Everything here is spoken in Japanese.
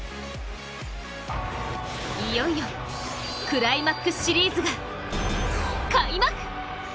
いよいよクライマックスシリーズが開幕！